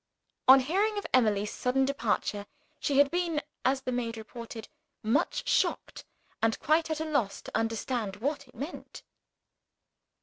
On hearing of Emily's sudden departure, she had been (as the maid reported) "much shocked and quite at a loss to understand what it meant."